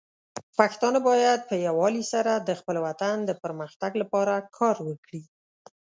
پښتانه بايد په يووالي سره د خپل وطن د پرمختګ لپاره کار وکړي.